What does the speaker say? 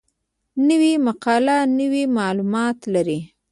نوې مقاله نوي معلومات لري